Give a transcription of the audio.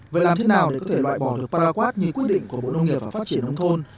vậy làm thế nào để có thể loại bỏ được paraq như quy định của bộ nông nghiệp và phát triển nông thôn